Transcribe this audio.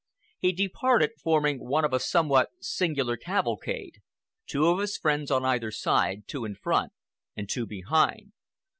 He departed, forming one of a somewhat singular cavalcade—two of his friends on either side, two in front, and two behind.